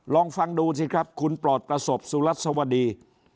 ลองฟังดูสิครับคุณปลอดประสบสุรัสวดี